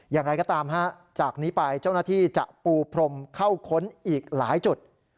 อย่างไรก็ตามจากนี้ไปเจ้าหน้าที่จะปูพรมเข้าค้นอีกหลายจุด